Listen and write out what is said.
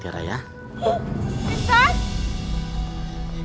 tiara kamu yang sabar ya